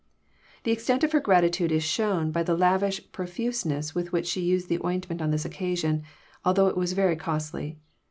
The extent of her gratitude Is shown by the lavish proftiseness with which she used the ointment on this occasion, although it was very costly.